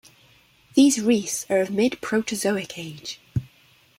These reefs are of mid-Proterozoic age.